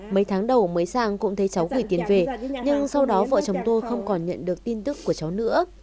mấy tháng đầu mới sang cũng thấy cháu gửi tiền về nhưng sau đó vợ chồng tôi không còn nhận được tin tức của cháu nữa